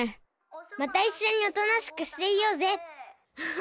またいっしょにおとなしくしていようぜ！